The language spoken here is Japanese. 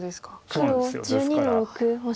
黒１２の六オシ。